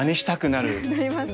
なりますね。